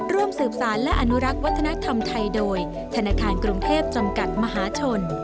ร่วมสืบสารและอนุรักษ์วัฒนธรรมไทยโดยธนาคารกรุงเทพจำกัดมหาชน